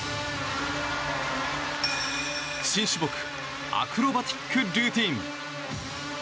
新種目アクロバティックルーティン。